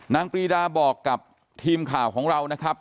ปรีดาบอกกับทีมข่าวของเรานะครับ